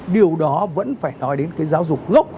điều đó vẫn phải nói đến cái giáo dục gốc